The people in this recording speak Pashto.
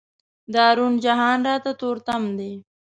دا روڼ جهان راته تور تم دی.